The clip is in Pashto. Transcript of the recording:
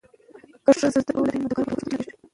که ښځه زده کړه ولري، نو د کاروبار فرصتونه زیاتېږي.